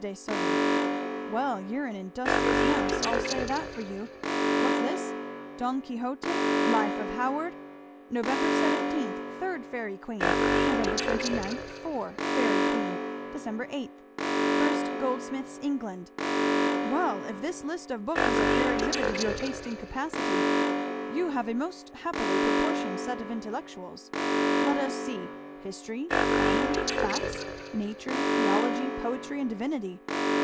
de Sully.' Well, you're an industrious mouse, I'll say that for you. What's this 'Don Quixotte!' 'Life of Howard.' 'Nov. 17. 3 Fairy Queen.' 'Nov. 29. 4 Fairy Queen.' 'Dec. 8. 1 Goldsmith's England.' Well if this list of books is a fair exhibit of your taste and capacity, you have a most happily proportioned set of intellectuals. Let us see History, fun, facts, nature, theology, poetry and divinity!